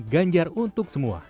ganjar untuk semua